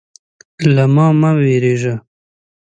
_له ما مه وېرېږه.